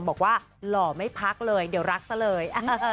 หล่อไม่พักเลยเดี๋ยวรักซะเลย